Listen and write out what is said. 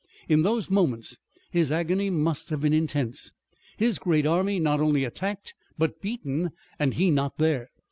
In those moments his agony must have been intense. His great army not only attacked, but beaten, and he not there!